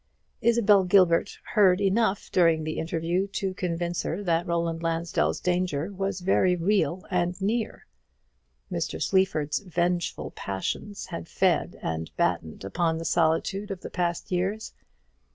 Isabel Gilbert heard enough during that interview to convince her that Roland Lansdell's danger was very real and near. Mr. Sleaford's vengeful passions had fed and battened upon the solitude of the past years.